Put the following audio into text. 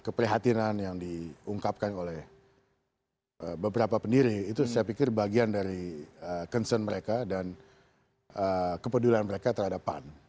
keprihatinan yang diungkapkan oleh beberapa pendiri itu saya pikir bagian dari concern mereka dan kepedulian mereka terhadap pan